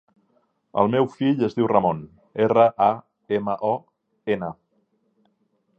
El meu fill es diu Ramon: erra, a, ema, o, ena.